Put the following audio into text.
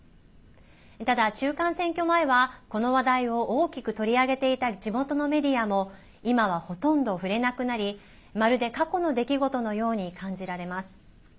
ただ、中間選挙前はこの話題を大きく取り上げていた地元のメディアも今は、ほとんど触れなくなりまるで、過去の出来事のように感じられます。